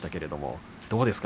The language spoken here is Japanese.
どうですか？